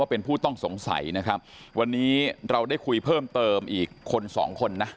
เป็นผู้ต้องสงสัยนะครับวันนี้เราได้คุยเพิ่มเติมอีกคนสองคนนะ